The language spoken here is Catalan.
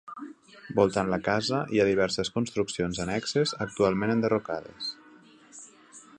Voltant la casa hi ha diverses construccions annexes actualment enderrocades.